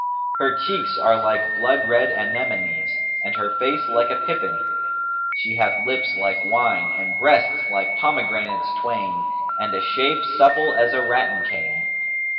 Her cheeks are like blood red anemones and her face like a pippin: she hath lips like wine and breasts like pomegranates twain and a shape supple as a rattan cane.